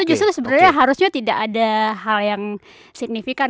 itu justru sebenernya harusnya tidak ada hal yang signifikan